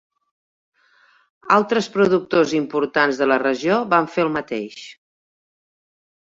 Altres productors importants de la regió van fer el mateix.